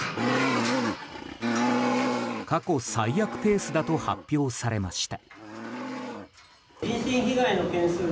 過去最悪ペースだと発表されました。